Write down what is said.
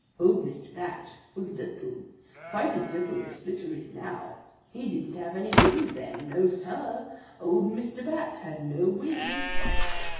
Old Mr. Bat was little, quite as little as Flitter is now. He didn't have any wings then. No, Sir, old Mr. Bat had no wings.